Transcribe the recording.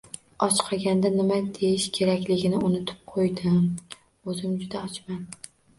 Ochqaganda nima deyish kerakligini unutib qoʻydim, oʻzim juda ochman